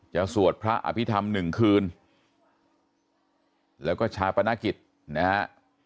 สวดพระอภิษฐรรมหนึ่งคืนแล้วก็ชาปนกิจนะฮะ